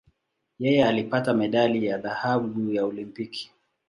Yeye alipata medali ya dhahabu ya Olimpiki.